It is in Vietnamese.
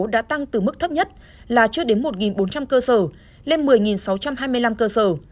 đã tăng từ mức thấp nhất là trước đến một bốn trăm linh cơ sở lên một mươi sáu trăm hai mươi năm cơ sở